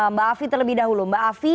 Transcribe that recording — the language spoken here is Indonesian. mbak afi terlebih dahulu mbak afi